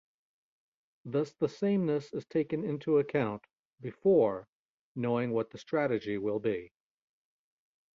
Thus the sameness is taken into account "before" knowing what the strategy will be.